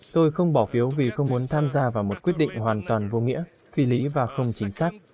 tôi không bỏ phiếu vì không muốn tham gia vào một quyết định hoàn toàn vô nghĩa phi lý và không chính xác